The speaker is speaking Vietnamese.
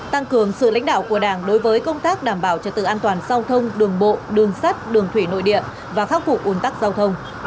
tăng cường sự lãnh đạo của đảng đối với công tác đảm bảo trật tự an toàn giao thông đường bộ đường sắt đường thủy nội địa và khắc phục ồn tắc giao thông